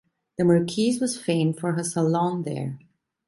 The marquise was famed for her "salon" there.